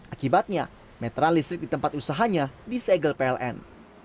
akibatnya metral listrik di tempat usahanya disegel pln